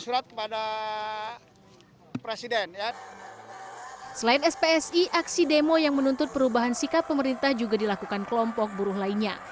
selain spsi aksi demo yang menuntut perubahan sikap pemerintah juga dilakukan kelompok buruh lainnya